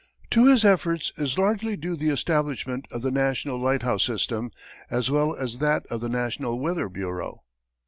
To his efforts is largely due the establishment of the national lighthouse system, as well as that of the national weather bureau.